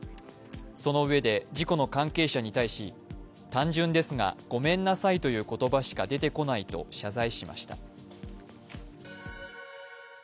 そのうえで事故の関係者に対し、単純ですが、ごめんなさいという言葉しか出てこないと謝罪しました。